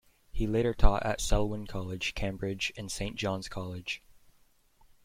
He later taught at Selwyn College, Cambridge and Saint John's College.